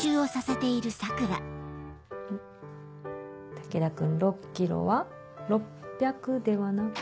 武田君６キロは６００ではなくて。